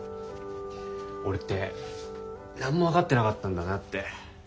俺って何も分かってなかったんだなって。